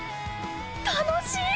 楽しい！